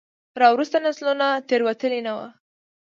راوروسته نسلونو تېروتلي نه وو.